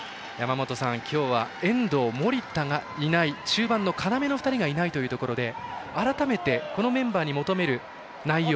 今日は遠藤、守田がいない中盤の要の２人がいないという中で改めてこのメンバーに求める内容